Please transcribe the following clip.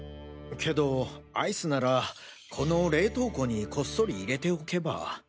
けどアイスならこの冷凍庫にこっそり入れておけば。